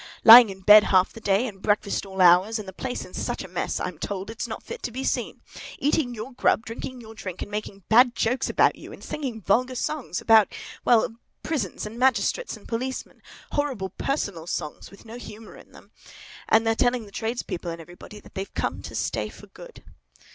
Lying in bed half the day, and breakfast at all hours, and the place in such a mess (I'm told) it's not fit to be seen! Eating your grub, and drinking your drink, and making bad jokes about you, and singing vulgar songs, about—well, about prisons and magistrates, and policemen; horrid personal songs, with no humour in them. And they're telling the tradespeople and everybody that they've come to stay for good."